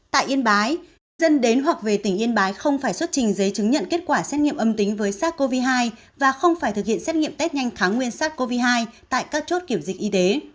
tại yên bái dân đến hoặc về tỉnh yên bái không phải xuất trình giấy chứng nhận kết quả xét nghiệm âm tính với sars cov hai và không phải thực hiện xét nghiệm test nhanh nguyên sars cov hai tại các chốt kiểm dịch y tế